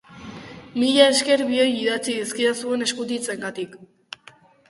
Mila esker bioi idatzi dizkidazuen eskutitzengatik.